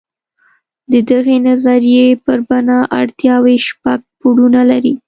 د دغې نظریې پر بنا اړتیاوې شپږ پوړونه لري.